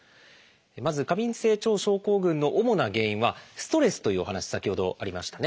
まず過敏性腸症候群の主な原因はストレスというお話先ほどありましたね。